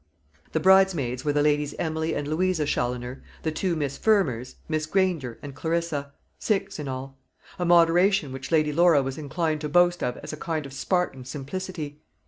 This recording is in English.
The bridesmaids were the Ladies Emily and Louisa Challoner, the two Miss Fermors, Miss Granger, and Clarissa six in all; a moderation which Lady Laura was inclined to boast of as a kind of Spartan simplicity.